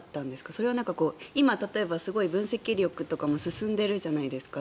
それは今、例えば分析力とかも進んでるじゃないですか。